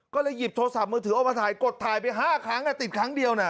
ก็เลยหยิบโทรศัพท์มือถือเอามาถ่ายกดถ่ายไป๕ครั้งติดครั้งเดียวนะ